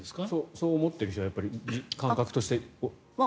そう思っている人は感覚として多いですか？